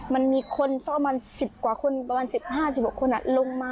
มันมีคนประมาณสิบกว่าคนประมาณสิบห้าสิบหกคนอะลงมา